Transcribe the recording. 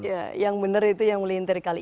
yang benar itu yang mulai interkali